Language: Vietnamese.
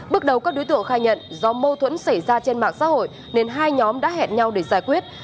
bước đầu các đối tượng khai nhận do mâu thuẫn xảy ra trên mạng xã hội nên hai nhóm đã hẹn nhau để giải quyết